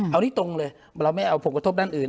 เอาที่ตรงเลยเราไม่เอาผลกระทบด้านอื่น